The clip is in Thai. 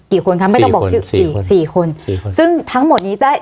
คนคะไม่ต้องบอกชื่อสี่สี่คนสี่คนซึ่งทั้งหมดนี้ได้